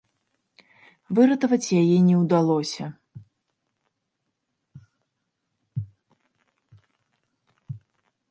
Выратаваць яе не ўдалося.